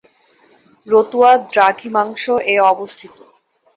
রতুয়া দ্রাঘিমাংশ এ অবস্থিত।